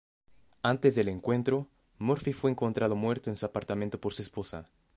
Antes del encuentro, Murphy fue encontrado muerto en su apartamento por su esposa.